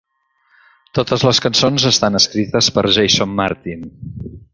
Totes les cançons estan escrites per Jason Martin.